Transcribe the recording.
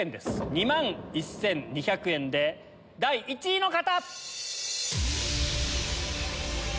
２万１２００円で第１位の方！